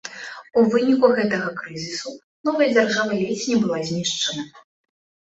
У выніку гэтага крызісу новая дзяржава ледзь не была знішчана.